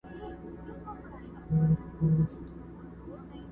له هغې ورځي پيشو له ما بېرېږي،